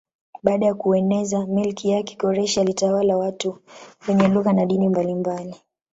Baada ya kueneza milki yake Koreshi alitawala watu wenye lugha na dini mbalimbali.